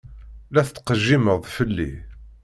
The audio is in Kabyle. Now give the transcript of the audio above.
La tettqejjimeḍ fell-i.